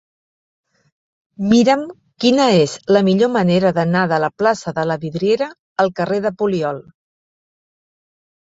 Mira'm quina és la millor manera d'anar de la plaça de la Vidriera al carrer del Poliol.